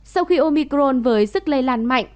sau khi omicron với sức lây lan mạnh